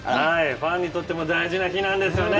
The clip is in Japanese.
ファンにとっても大事な日なんですよね。